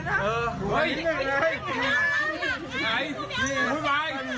ไม่มีนี่โอ้ยเหนื่อยขออย่างนั้นมากนี่